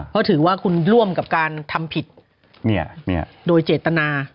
เพราะถือว่าคุณร่วมกับการทำผิดโดยเจตนา